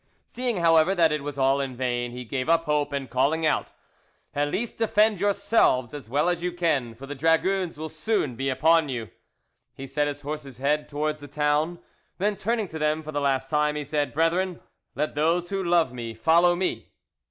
Seeing, however, that it was all in vain, he gave up hope, and calling out, "At least defend yourselves as well as you can, for the dragoons will soon be on you," he set his horse's head towards the town. Then turning to them for the last time, he said, "Brethren, let those who love me follow me!"